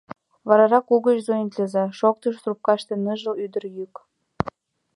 Варарак угыч звонитлыза, — шоктыш трупкаште ныжыл ӱдыр йӱк.